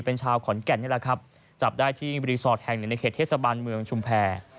เป็นชาวขอนแก่นนี่แหละครับจับได้ที่รีสอร์ทแห่งหนึ่งในเขตเทศบาลเมืองชุมแพร